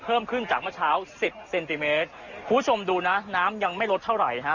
เพิ่มขึ้นจากเมื่อเช้าสิบเซนติเมตรคุณผู้ชมดูนะน้ำยังไม่ลดเท่าไหร่ฮะ